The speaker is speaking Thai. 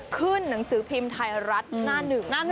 ขึ้นหนังสือพิมพ์ไทยรัฐหน้าหนึ่ง